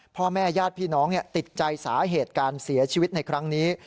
พ่อแม่ญาติพี่น้องติดใจสาเหตุการเสียชีวิตในครั้งนี้